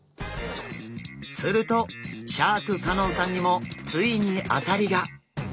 するとシャーク香音さんにもついに当たりが！